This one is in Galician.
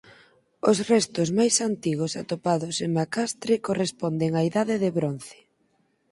Os restos máis antigos atopados en Macastre corresponden á Idade de Bronce.